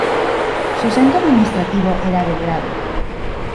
Su centro administrativo era Belgrado.